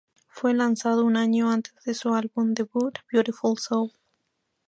Fue lanzado un año antes de su álbum debut, "Beautiful Soul".